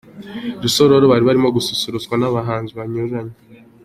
I Rusororo bari barimo gususurutswa n'abahanzi banyuranye.